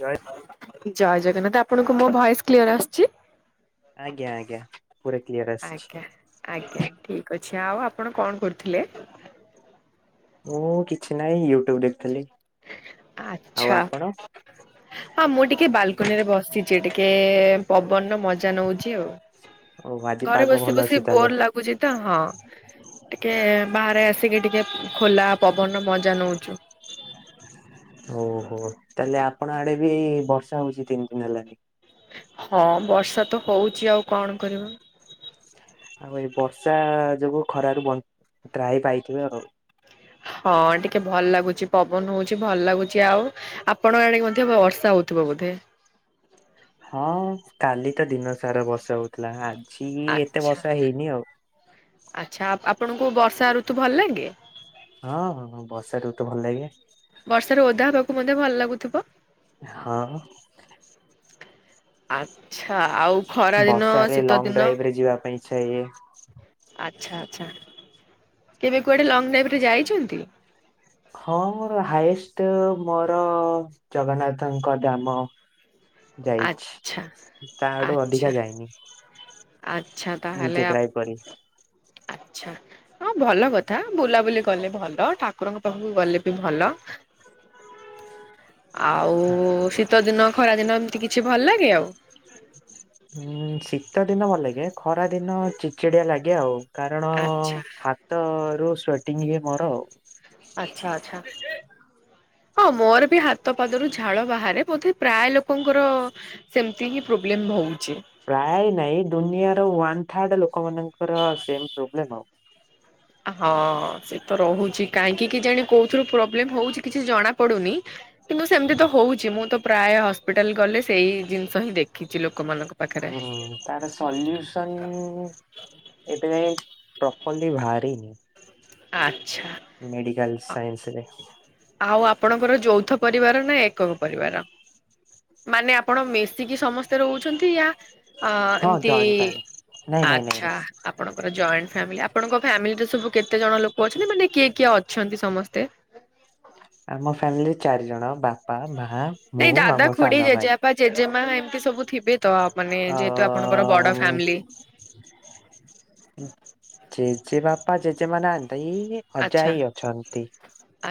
ଜୟ ଜୟ ଜଗନ୍ନାଥ, ଆପଣଙ୍କୁ ମୋ ଭଏସ କ୍ଲିୟର ଆସୁଚି? ଆଜ୍ଞା, ଆଜ୍ଞା, ପୁରା କ୍ଲିୟର ଆସିଛି। ଆଜ୍ଞା ଆଜ୍ଞା, ଠିକ ଅଛି ଆଉ। ଆପଣ କଣ କରୁଥିଲେ? ମୁଁ କିଛି ନାହିଁ ୟୁଟ୍ୟୁବ ଦେଖୁଥିଲି। ଆଉ ଆଚ୍ଛା। ଆପଣ [inaudible] ହଁ ମୁଁ ଟିକେ ବାଲକୁନିରେ ବସିଛି। ଟିକେ ପବନର ମଜା ନଉଛି ଆଉ। ଓ ଆଜି ଘରେ ପାଗ ବସି ଭଲ ବସି ଅଛି ତାହେଲେ ବୋର ଲାଗୁଛି ତ। ହଁ, ଟିକେ ବାହାରେ ଆସିକି ଟିକେ ଖୋଲା ପବନ ମଜା ନୋଉଛୁ। ଓ ହୋ ତାହେଲେ ଆପଣ ଆଡେ ବି ବର୍ଷା ହଉଛି ତିନି ଦିନ ହେଲାଣି। ହଁ ବର୍ଷା ତ ହଉଛି ଆଉ କଣ କରିବା? ଆଉ ଏଇ ବର୍ଷା ଯୋଗୁ ଖରାରୁ ବ ତ୍ରାହି ପାଇଥିବେ ଆଉ। ହଁ ଟିକେ ଭଲ ଲାଗୁଛି ପବନ ହଉଛି ଭଲ ଲାଗୁଛି। ଆଉ ଆପଣଙ୍କ ଆଡିକି ମଧ୍ୟ ବର୍ଷା ହଉଥିବ ବୋଧେ। ହଁ କାଲି ତ ଦିନସାରା ବର୍ଷା ହଉଥିଲା। ଆ ଆଛା ଆଛା ଆ ଆପଣଙ୍କୁ ବର୍ଷା ଋତୁ ଭଲ ଲାଗେ? ହଁ ବର୍ଷାଋତୁ ଭଲ ଲାଗେ। ବର୍ଷାରେ ଓଦା ହେବାକୁ ମଧ୍ୟ ଭଲ ଲାଗୁଥିବ। ହଁ ହଁ। ଆଛା ଆଉ ଖରା ଦିନ ବର୍ଷାରେ ଶୀତ ଲଙ୍ଗ ଦିନ? ଡ୍ରାଇଭ ରେ ଯିବା ପାଇଁ ଇଚ୍ଛା ହୁଏ। ଆଚ୍ଛା ଆଚ୍ଛା କେବେ କୁଆଡେ ଲଙ୍ଗ ଡ୍ରାଇଭରେ ଯାଇଛନ୍ତି? ହଁ ମୋର ହାଏଷ୍ଟ ମୋର ଜଗନ୍ନାଥଙ୍କ ଧାମ। [inaudible] ଆଚ୍ଛା ଯାଇଛି। ତାଠୁ ଆଚ୍ଛା ଅଧିକା ଯାଇନି। ଆଚ୍ଛା ତାହେଲେ ନିଜେ ଆ ଡ୍ରାଇଭ କରି। ଆଚ୍ଛା। ହଁ ଭଲ କଥା ବୁଲାବୁଲି କଲେ ଭଲ ଠାକୁରଙ୍କ ପାଖକୁ ଗଲେ ବି ଭଲ। ଆଉ ଶୀତ ଦିନ ଖରାଦିନ ଏମିତି କିଛି ଭଲ ଲାଗେ ଆଉ? ହୁଁ ଶୀତ ଦିନ ଭଲ ଲାଗେ ଖରା ଦିନ ଚିଡ୍ ଚିଡିଆ ଲାଗେ ଆଉ। କାରଣ ଆଚ୍ଛା। ହାତ ରୁ ସ୍ଵେଟିଂ ହୁଏ ମୋର ଆଉ। ଆଛା ଆଛା ହଁ ମୋର ହାତ ପାଦରୁ ଝାଳ ବାହାରେ ବୋଧେ ପ୍ରାୟ ଲୋକ ଲୋକଙ୍କର ସେମତି ହିଁ ପ୍ରୋବ୍ଲେମ ହଉଛି। ପ୍ରାୟ ନାଇଁ ଦୁନିଆର ୱାନ୍ ଥାର୍ଡ ଲୋକମାନଙ୍କର ସେମ ପ୍ରୋବ୍ଲେମ ଆଉ। ହଁ ସେ ତ ରହୁଛି କାହିଁକି କି କେଜାଣି କୋଉଥିରୁ ପ୍ରୋବ୍ଲେମ ହଉଛି କିଛି ଜଣା ପଡୁନି। କିନ୍ତୁ ସେମିତି ତ ହଉଛି ମୁଁ ତ ପ୍ରାୟ ହସ୍ପିଟାଲ ଗଲେ ସେଇ ଜିନିଷ ହିଁ ଦେଖିଛି ଲୋକମାନଙ୍କ ପାଖରେ। ହୁଁ। ତାର ସଲ୍ୟୁସନ ଏବେ ଯାଇ ପ୍ରପରଲି ବାହାରିନି। ଆଚ୍ଛା। ମେଡ଼ିକାଲ ସାଇନ୍ସରେ। ଆଉ ଆପଣଙ୍କର ଯୌଥ ପରିବାର ନା ଏକକ ପରିବାର? ମାନେ ଆପଣ ମିଶିକି ସମସ୍ତେ ରହୁଛନ୍ତି ୟା ଅ ହଁ ଏମତି ଜଏଣ୍ଟ ଫ୍ୟାମିଲି। ନାଇଁ ନାଇଁ ନାଇଁ ଆଛା। ଆପଣଙ୍କର ଜଏଣ୍ଟ ଫ୍ୟାମିଲି ଆପଣଙ୍କ ଫ୍ୟାମିଲିରେ ସବୁ କେତେ ଜଣ ଲୋକ ଅଛନ୍ତି ମାନେ କିଏ କିଏ ଅଛନ୍ତି ସମସ୍ତେ? ଆମ ଫ୍ୟାମିଲି ଚାରି ଜଣ ବାପା ମା ମୁଁ ଆଉ ମୋ ସାନ ଭାଇ। ବା ଜେଜେମା ଏମିତି ସବୁଥିବେ ତ ମାନେ ଯେହେତୁ ଆପଣଙ୍କର ବଡ ଅ ଫ୍ୟାମିଲି। ଜେଜେ ବାପା ଜେଜେ ମାଆ ନାହାନ୍ତି ଅଜା ଆଚ୍ଛା ଆଇ ଅଛନ୍ତି।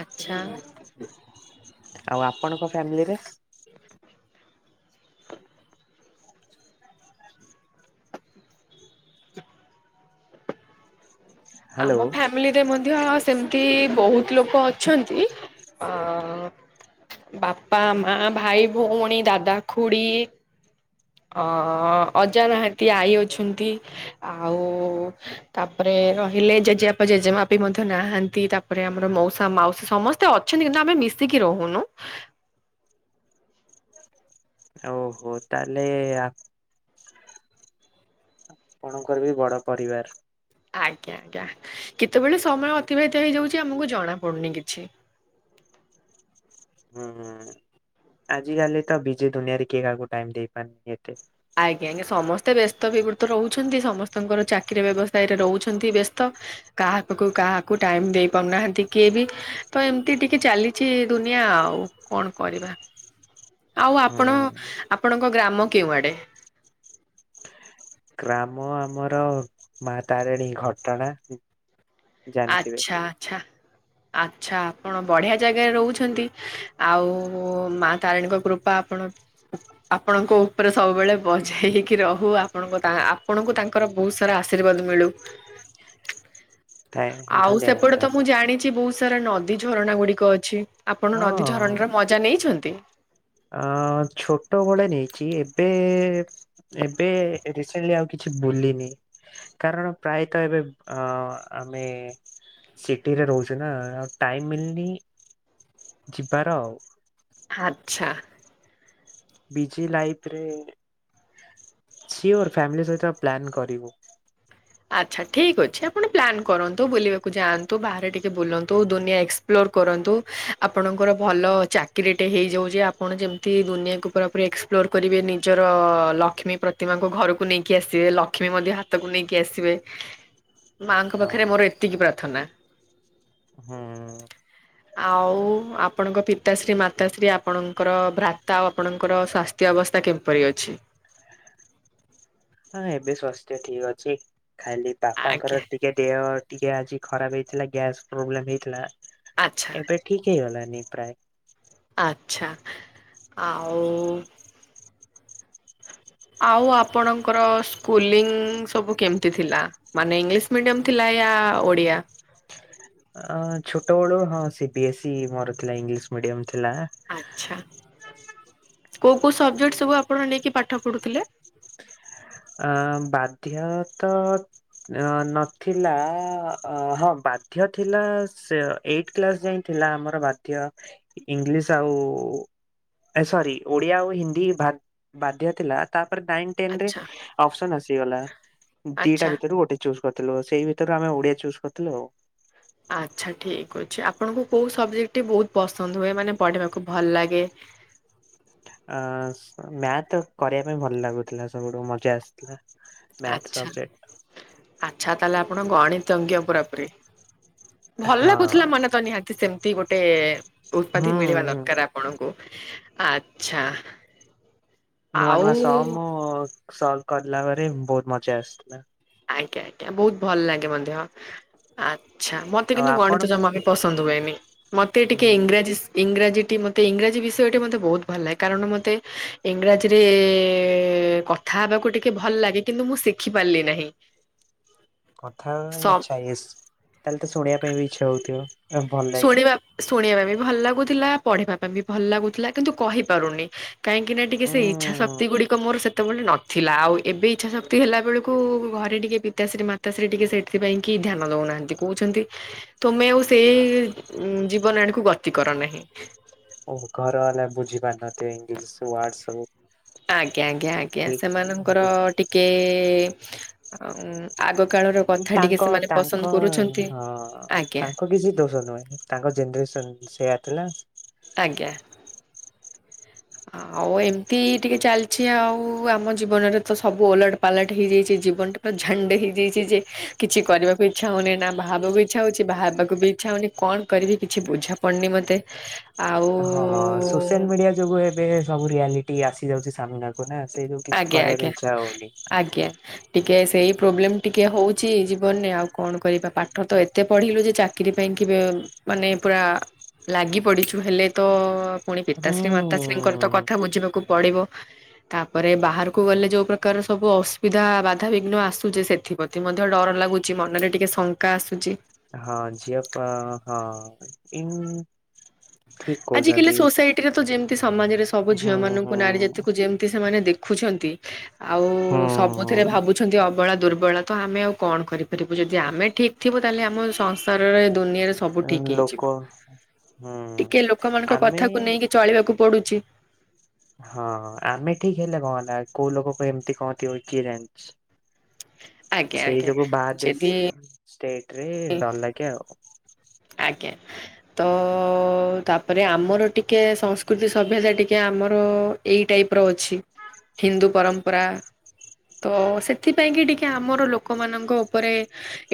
ଆଚ୍ଛା। ଆଉ ଆପଣଙ୍କ ଫ୍ୟାମିଲିରେ? ହ୍ୟାଲୋ ଆମ ଫ୍ୟାମିଲି ରେ ମଧ୍ୟ ସେମିତି ବହୁତ ଲୋକ ଅଛନ୍ତି ଅ ବାପା ମା ଭାଇ ଭଉଣୀ ଦାଦା ଖୁଡି ଅ ଅଜା ନାହାନ୍ତି ଆଈ ଅଛନ୍ତି। ଆଉ ତାପରେ ରହ ହେଲେ ଜେଜେବାପା ଜେଜେମାଆ ପି ମଧ୍ୟ ନାହାନ୍ତି। ତାପରେ ଆମର ମାଉସା ମାଉସୀ ସମସ୍ତେ ଅ ଅଛନ୍ତି କିନ୍ତୁ ଆମେ ମିଶିକି ରହୁନୁ। ଓହୋ ତାହଲେ ଆ କଣ କରିବି, ବଡ ପରିବାର ଆଜ୍ଞା, ଆଜ୍ଞା, ଆଜ୍ଞା। କେତେବେଳେ ସମୟ ଅତିବାହିତ ହେଇଯାଉଛି ଆମକୁ ଜଣାପଡ଼ୁନି କିଛି। ହୁଁ, ଆଜିକାଲି ତ ବିଜି ଦୁନିଆରେ କିଏ କାହାକୁ ଟାଇମ୍ ଦେଇ ପାରୁନି ଏତେ। ଆଜ୍ଞା, ସମସ୍ତେ ବ୍ୟସ୍ତ ବିବୃତ ରହୁଛନ୍ତି ସମସ୍ତଙ୍କର ଚାକିରି ବ୍ୟବସାୟରେ ରହୁଛନ୍ତି ବ୍ୟସ୍ତ କାହାକୁ କାହାକୁ ଟାଇମ୍ ଦେଇ ପାରୁନାହାନ୍ତି କିଏ ବି ତ ଏମିତି ଟିକେ ଚାଲିଛି ଦୁନିଆ ଆଉ କଣ କରିବା, ଆଉ ଆପଣ ହୁଁ ଆପଣଙ୍କ ଗ୍ରାମ କେଉଁଆଡେ? ଗ୍ରାମ ଆମର ମା ତାରିଣୀ ଘଟଗାଁ। ଆଚ୍ଛା, ଆଚ୍ଛା। ଆଚ୍ଛା ଆପଣ ବଢ଼ିଆ ଜାଗାରେ ରହୁଛନ୍ତି। ଆଉ ମା ତାରିଣୀଙ୍କ କୃପା ଆ ଆପଣ ଆପଣଙ୍କ ଉପରେ ସବୁବେଳେ ବଜେଇ ହେଇକି ରହୁ। ଆପଣ ତା ଆପଣଙ୍କୁ ତାଙ୍କ ତାଙ୍କର ବହୁତ ସାରା ଆଶୀର୍ବାଦ ମିଳୁ। ଥ୍ୟାଙ୍କ ଧନ୍ୟବାଦ, ଧନ୍ୟବାଦ। ଅଛି, ବହୁତ ସାରା ନଦୀ ଝରଣା ଗୁଡିକ ଅଛି। ଆପଣ ନଦୀ ଝରଣାର ମଜା ନେଇଛନ୍ତି? ଅଁ, ଛୋଟବେଳେ ନେଇଛି। ଏବେ ଏବେ ରିସେଣ୍ଟଲି ଆଉ କିଛି ବୁଲିନି। କାରଣ ପ୍ରାୟତଃ ଏବେ ଅ ଆମେ ସିଟିରେ ରହୁଚୁ ନା ଆଉ ଟାଇମିଂ ମିଳିନି, ଯିବାର ଆଉ। ଆଚ୍ଛା। ବିଜି ଲାଇରେ। ସିଓର୍, ଫ୍ୟାମିଲି ସହିତ ପ୍ଲାନ୍ କରିବୁ। ଆଚ୍ଛା। ଠିକ୍ ଅଛି, ଆପଣ ପ୍ଲାନ୍ କରନ୍ତୁ। ବୁଲିବାକୁ ଯାଆନ୍ତୁ। ବାହାରେ ଟିକେ ବୁଲନ୍ତୁ। ଦୁନିଆ ଏକ୍ସ ପ୍ଲୋର କରନ୍ତୁ। ଆପଣଙ୍କର ଭଲ ଚାକିରିଟେ ହେଇଯାଉ ଯେ, ଆପଣ ଯେମିତି ଦୁନିଆକୁ ପୁରାପୁର ଏକ୍ସପ ପ୍ଲୋର କରିବେ। ନିଜର ଲକ୍ଷ୍ମୀ ପ୍ରତିମାକୁ ଘରକୁ ନେଇକି ଆସିବେ। ଲକ୍ଷ୍ମୀ ମଧ୍ୟ ହାତକୁ ନେଇକି ନେଇକି ଆସିବେ। ମାଙ୍କ ପାଖରେ ହଁ। ମୋର ଏତିକି ପ୍ରାର୍ଥନା। ହୁଁ ଆଉ ଆପଣଙ୍କ ପିତାଶ୍ରୀ, ମାତାଶ୍ରୀ, ଆପଣଙ୍କର ଭ୍ରାତା ଆଉ ଆପଣଙ୍କର ସ୍ଵା ସ୍ଥ୍ୟ ଅବସ୍ଥା କିପରି ଅଛି? ହଁ, ଏବେ ସ୍ୱାସ୍ଥ୍ୟ ଠିକ ଅଛି। ଖାଲି ବାପାଙ୍କରେ ଆଜ୍ଞା ଟି ଦେହ ଟିକେ ଆଜି ଖରାପ ହେଇଥିଲା। ଗ୍ୟାସ୍ ପ୍ରୋବ୍ଲେମ ହେଇଥିଲା। ଆଚ୍ଛା ଏବେ ଠିକ ହେଇ ଗଲାନି ପ୍ରାୟେ। ଆଚ୍ଛା, ଆଉ ଆଉ ଆପଣଙ୍କର ସ୍କୁଲିଂ ସବୁ କେମିତି ଥିଲା? ମାନେ ଇଂଲିଶ ମିଡିୟମ ଥିଲା, ୟା ଓଡିଆ? ଅଁ ଛୋଟବେଳୁ ହଁ ସି ବିି ଏସ୍ ମୋର ଥିଲା, ଇଂଲିଶ ମିଡ଼ିୟମ ଥିଲା। ଆଛା। କୋଉ କୋଉ ସଵଜେକ୍ଟ ସବୁ ଆପଣ ନେଇକି ପାଠ ପଢୁଥିଲେ? ଆଁ ବାଧ୍ୟ ତ ଅଁ, ନଥିଲା। ହଁ, ବାଧ୍ୟ ଥିଲା ସେ ଏଇଟ କ୍ଲାସ ଯାଇ ଥିଲା ଆମର ବାଧ୍ୟ ଇଂଲିଶ ଆଉ ଏ ସରି। ଓଡିଆ ଆଉ ହିନ୍ଦୀ ବା ବାଧ୍ୟ ଥିଲା। ତାପରେ ନାଇ ଟେନରେ ଆଚ୍ଛା ଅପସନ ଆସିଗଲା, ଦିଟା ଆଚ୍ଛା ଭିତରୁ ଗୋଟେ ଚୁଜ୍ କରିଥିଲୁ। ସେଇ ଭିତରେ ଆମେ ଓଡିଆ ଚୁଜ୍ କରିଥିଲୁ ଆଉ। ଆଚ୍ଛା, ଠିକ୍ ଅଛି। ଆପଣଙ୍କୁ କୋଉ ସବଜେକ୍ଟ ଟି ବହୁତ ପସନ୍ଦ ହୁଏ, ମାନେ ପଢିବାକୁ ଭଲ ଲାଗେ? ଅ ସ ମ୍ୟାଥ୍ କରିବା ପାଇଁ ଭଲ ଲାଗୁଥିଲା। ସବୁଠୁ ମଜା ଆସ ମ୍ୟାଥ ଆଚ୍ଛା ସବଯେକ୍ଟ ଆଚ୍ଛା, ତାହେଲେ ଆପଣ ଗଣିତଜ୍ଞ ପୁରାପୁରି? ଭଲ ହଁ ଲାଗୁଥିଲା ମନେ ତ ନିହାତି ସେମିତି ଗୋଟେ ହୁଁ ଉତ୍ପାତି ମିଳିବା ଦରକାର। ଆପଣଙ୍କ ଆଚଛା। ନୂଆ ନୂଆ ସମ୍ ସଲଫ୍ କଲାପରେ ବହୁତ ମଜା ଆସିଥିଲା। ଆଜ୍ଞା ଆଜ୍ଞା ବହୁତ ଭଲ ଲାଗେ ମଧ୍ୟ ଆଚ୍ଛା ମତେ ଆଉ କିନ୍ତୁ ଆପଣ ଗଣିତ ଜମାବି ପସନ୍ଦ ହୁଏନି, ମୋତେ ଟିକେ ଉଁ ଇଂରାଜୀ ଇଂରାଜୀଟି ମୋତେ ଇଂରାଜୀ ବିଷୟଟି ମୋତେ ବହୁତ ଭଲ ଲାଗେ କାରଣ ମୋତେ ଇଂରାଜୀରେ କଥା ହେବାକୁ ଟିକେ ଭଲ ଲାଗେ କିନ୍ତୁ ମୁଁ ଶିଖି ପାରିଲି ନାହିଁ। କଥା ହବାପାଇଁ ସବ ଇଚ୍ଛା ଐଶ ତାହେଲେ ତ ଶୁଣିବା ପାଇଁ ବି ଇଚ୍ଛା ହଉଥିବ। ଭଲ ଲାଗେ ଶୁଣିବା ଶୁଣିବା ପାଇଁ ବି ଭଲ ଲାଗୁଥିଲା ପଢିବା ପାଇଁ ବି ଭଲ ଲାଗୁଥିଲା କିନ୍ତୁ କହିପାରୁନି। କାଁକି ନା ଟିକେ ସେ ଇଛା ଗୁଡ଼ିକ ମୋର ସେତେବେଳେ ନଥିଲା ଆଉ ଏବେ ଇଚ୍ଛା ଶକ୍ତି ହେଲା ବେଳକୁ ଘରେ ଟିକେ ପିତାଶ୍ରୀ ମା ପିତାଶ୍ରୀ ସେ ଟିକେ ସେଥିପାଇଁ କି ଧ୍ୟାନ ଦଉନାହାନ୍ତି, କହୁଛନ୍ତି ତମେ ଆଉ ସେ ଉ ଜୀବନ ଆଡକୁ ଗତି କର ନାହିଁ। ଓ ଘର ବାଲା ବୁଝି ପାରୁନଥିବେ ଇଂଲିଶ ୱାର୍ଡ ସବୁ। ଆଜ୍ଞା, ଆଜ୍ଞା, ଆଜ୍ଞା ସେମାନଙ୍କର ଠିକ ଟିକେ ଆଗ କାଳର କଥା ଟିକେ ତାଙ୍କ ସେମାନେ ପସନ୍ଦ ତାଙ୍କ କରୁଛନ୍ତି ହଁ। ଆଜ୍ଞା ତାଙ୍କ କିଛି ଦୋଷ ନୁହେଁ ତାଙ୍କ ଜେନେରେସନ ସେୟା ଥିଲା। ଆଜ୍ଞା। ଆଉ ଏମିତି ଟିକେ ଚାଲିଛି ଆଉ ଆମ ଜୀବନରେ ତ ସବୁ ଓଲଟ ପାଲଟ ହେଇଯାଇଛି ଜୀବନଟା। ଝଣ୍ଡେ ହେଇଯାଇଛି ଯେ କିଛି କରିବାକୁ ଇଚ୍ଛା ହଉନି ନା ବାହାବାକୁ ଇଚ୍ଛା ହଉଛି ବାହାବାକୁ ବି ଇଛା ହଉନି। କଣ କରିବି କିଛି ବୁଝା ପଡ଼ନି ମୋତେ। ହଁ ସୋସିଆଲ ମିଡିଆ ଯୋଗୁ ଏବେ ସବୁ ରିଆଲିଟି ଆସି ଯାଉଛି ସାମ୍ନାକୁ। ନା ସେଇ କିଛି ଆଜ୍ଞା କରିବା ଆଜ୍ଞା ପାଇଁ ଇଚ୍ଛା ହଉନି। ଆଜ୍ଞା। ଟିକେ ସେଇ ପ୍ରୋବ୍ଲେମ ଟିକେ ହଉଛି ଜୀବନରେ ଆଉ କଣ କରିବା ପାଠ ତ ଏତେ ପଢ଼ିଲୁ ଯେ ଚା ଚାକିରି ପାଇଁକି ମାନେ ପୁରା ଲାଗି ପଡ଼ିଛୁ ହେଲେ ତ। ପୁଣି ପିତାଶ୍ରୀ ମାତାଶ୍ରୀଙ୍କର ତ ହୁଁ କଥା ବୁଝିବାକୁ ପଡିବ। ଘରେ ବାହାରକୁ ଗଲେ ଯୋଉ ପ୍ରକାର ସବୁ ଅସୁବିଧା ବାଧାବିଘ୍ନ ଆସୁଛେ ସେଥିପା ମଧ୍ୟ ଡର ଲାଗୁଛି ମନରେ ଟିକେ ଶଙ୍କା ଆସୁଛି। ହଁ ଯିଅ ପା ହଁ ଠିକ ଆଜ କାଲି କହୁଛନ୍ତି ସୋସାଇଟି ରେ ତ ଯେମତି ସମାଜରେ ସବୁ ଝିଅ ହୁଁ ମାନଙ୍କୁ ନା ହୁଁ ଜାତିକୁ ଯେମତି ସେମାନେ ଦେଖ ଭାବୁଛନ୍ତି ଆଉ ସବୁ ଥିରେ ହୁଁ ଭାବୁଛନ୍ତି ଅବଳା ଦୁର୍ବଳା ତ ଆମେ ଆଉ କଣ କରିପାରିବୁ ଯଦି ଆମେ ଠିକ୍ ଥିବୁ ତାେଲେ ଆମ ସଂ ସାରରେ ଏ ଦୁନିଆରେ ସବୁ ଠିକ୍ ହେଇଯିବ। ହ। ଟିକେ ଲୋକମାନଙ୍କ କଥାକୁ ନେଇକି ଚଳିବାକୁ ପଡୁଛି। ହଁ ଆମେ ଠିକ ହେଲେ କଣ ହେଲା କୋଉ ଲୋକ କ ଏମିତି କଣଥିବ କି ଜାଣିଛି ଆଜ୍ଞା ଆଜ୍ଞା। ସେଇତାକୁ ବାହାର ଯଦି ଦେଶ ଷ୍ଟେଟ ରେ ଡର ଲାଗେ ଆଉ। ଆଜ୍ଞା। ତ ତାପରେ ଆମର ଟିକିଏ ସଂସ୍କୃତି ସଭ୍ୟତା ଟିକେ ଆମର ଏଇ ଟାଇପ ର ଅଛି ହିନ୍ଦୁ ପରମ୍ପରା। ତ ସେଥିପାଇଁ କି ଟିକେ ଆମର ଲୋକମାନଙ୍କ ଉପରେ।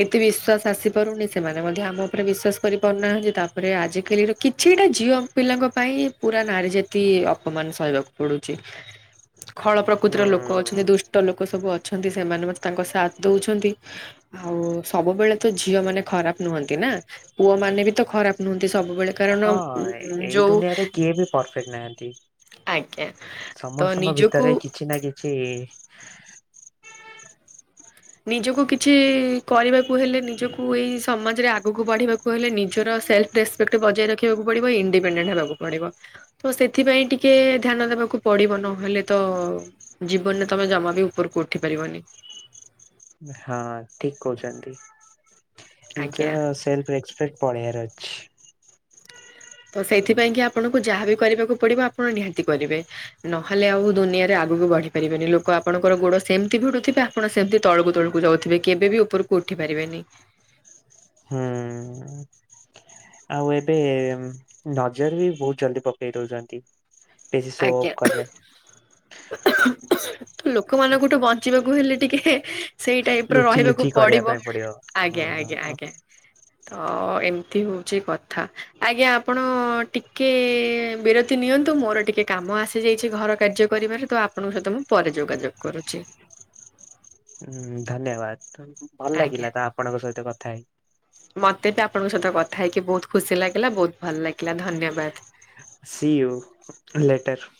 ଏତେ ବିଶ୍ୱାସ ଆସିପାରୁନି ସେମାନେ ମଧ୍ୟ ଆମ ଉପରେ ବିଶ୍ଵାସ। କରିପାରୁନାହାନ୍ତି ତାପରେ ଆଜିକାଲିର କିଛିଟା ଝିଅ ପିଲାଙ୍କ ପାଇଁ ପୁରା ନାରୀ ଜା ଅପମାନ ସହିବାକୁ ପଡୁଛି ଖଳ ପ୍ରକୃତିର ଲୋକ ଅଛନ୍ତି ହୁଁ। ଦୁଷ୍ଟ ଲୋକ ସବୁ ଅ ଛନ୍ତି ସେମାନେ, ମତେ ତାଙ୍କ ସାଥ୍ ଦଉଛନ୍ତି। ଆଉ ସବୁବେଳେ ତ ଝିଅ ମାନେ ଖରାପ ନୁହଁନ୍ତି ନା! ପୁଅ ମାନେ ବି ତ ଖରାପ ନୁହଁନ୍ତି ସବୁବେଳେ, କାରଣ ହଁ ଉଁ ଏଇ ଯୋଉ ଦୁନିଆରେ କିଏ ବି ପରଫେକ୍ଟ ନାହାନ୍ତି। ଆଜ୍ଞା, ତ ନିଜକୁ ଛି। ନିଜକୁ କିଛି-ଇ କରିବାକୁ ହେଲେ, ନିଜକୁ ଏଇ ସମାଜରେ ଆଗକୁ ବଢିବାକୁ କହିଲେ ନିଜର ସେଲଫ୍ ରେସ୍ପେକ୍ଟ ବଜାୟ ରଖିବାକୁ ପଡିବ। ଇଣ୍ଡିପେଣ୍ଡେଣ୍ଟ ହେବାକୁ ପଡିବ। ତ ସେଥିପାଇଁ ଟିକେ ଧ୍ୟାନ ଦେବାକୁ ପଡିବ। ନହେଲେ ତ-ଅ ଜୀବନରେ ତମେ ଜମା ବି ଉପରକୁ ଉଠି ପାରିବନି। ହଁ, ଠିକ୍ କହୁଛନ୍ତି। ନିଜ ଆଜ୍ଞା। ସେଲଫ୍ ରେସ୍ପପେକ୍ଟ ପଳେୟାର ଅଛି। ତ ସେଇଥିପାଇଁ କି ଆପଣଙ୍କୁ ଯାହା ବିି କରିବାକୁ ପଡିବ, ଆପଣ ନିହାତି କରିବେ। ନହେଲେ ଆଉ ଦୁନିଆରେ ଆଗକୁ ବଢି ପାରିବେନି। ଲୋକ ଆପଣଙ୍କର ଗୋଡ ସେମିତି ଭିଡୁଥିବା ଆପଣ ସେମିତି ତଳକୁ ତଳକୁ ଯାଉଥିବେ, କେବେ ବିି ଉପରକୁ ଉଠି ପାରିବେନି? ହୁଁ ଆଉ ଏବେ-ଏଁ ନଜର ବି ବହୁତ୍ ଜଲ୍ଦି ପକେଇ ଦଉଛନ୍ତି। ବେଶୀ ଶୋ ଆଜ୍ଞା ଅଫ୍ କଲେ। [inaudible] ଲୋକମାନଙ୍କଠୁ ବଞ୍ଚିବାକୁ ହେଲେ ଟିକେ ସେଇ ଟାଇପ୍ ର ଲୁଚି ରହିବାକୁ ଲୁଚି କରିବା ପଡିବ। ପାଇଁ ହୁଁ ଆଜ୍ଞା ଆଜ୍ଞା ଆଜ୍ଞା। ହଁ, ଏମତି ହଉଚ କଥା। ଆଜ୍ଞା! ଆପଣ ଟିକେ ବିରତ୍ ତି ନିଅନ୍ତୁ, ମୋର ଟିକେ କାମ ଆସିଯାଇଛି, ଘର କାର୍ଯ୍ୟ କରିବାରେ ତ, ଆପଣଙ୍କ ସହିତ ମୁଁ ପରେ ଯୋଗାଯୋଗ କରୁଛି। ହୁଁ, ଧନ୍ୟବାଦ। ଭଲ ଆଜ୍ଞା। ଲାଗିଲା ତା ଆପଣଙ୍କ ସହିତ କଥା ହେଇ। ମତେ ବି ଆପଣଙ୍କ ସହିତ କଥା ହେଇକି ବହୁତ ଖୁସି ଲାଗିଲା। ବହୁତ ଭଲ ଲାଗିଲା, ଧନ୍ୟବାଦ। See you letter.